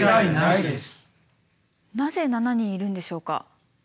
なぜ７人いるんでしょうか？